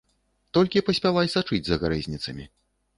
Толькі паспявай сачыць за гарэзніцамі.